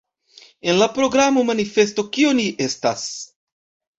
En la programa manifesto Kio ni estas?